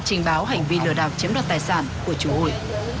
trình báo hành vi lừa đảo chiếm đoạt tài sản của chủ hụi